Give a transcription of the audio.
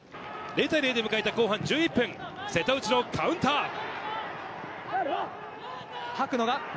０対０で迎えた後半１１分、瀬戸内のカウンター。